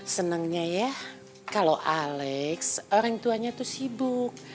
senangnya ya kalau alex orang tuanya itu sibuk